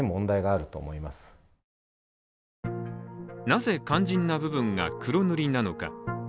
なぜ肝心な部分が黒塗りなのか。